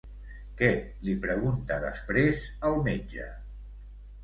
Què li pregunta després al metge?